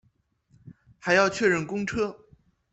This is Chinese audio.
还要确认公车